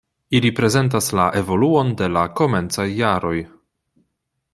Ili prezentas la evoluon de la komencaj jaroj.